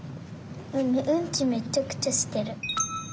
うんちめちゃくちゃしてる。